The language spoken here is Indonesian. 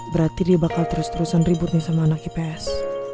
berarti dia bakal terus terusan ribut nih sama anak ips